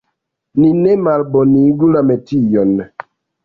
Ni ne malbonigu la metion!